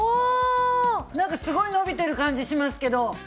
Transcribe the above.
なんかすごい伸びてる感じしますけど。